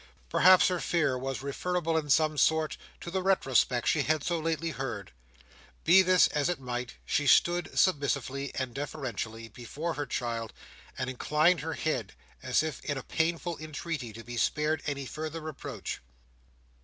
Perhaps her fear was referable, in some sort, to the retrospect she had so lately heard. Be this as it might, she stood, submissively and deferentially, before her child, and inclined her head, as if in a pitiful entreaty to be spared any further reproach.